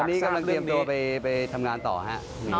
ตอนนี้กำลังเตรียมตัวไปทำงานต่อครับ